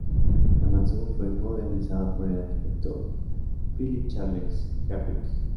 La mansión fue modernizada por el arquitecto Philip Charles Hardwick.